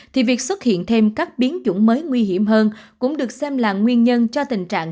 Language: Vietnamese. thì việc xuất hiện thêm các biến chủng mới nguy hiểm hơn cũng được xem là nguyên nhân cho tình trạng